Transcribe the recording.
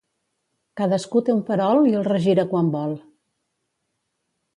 Cadascú té un perol i el regira quan vol.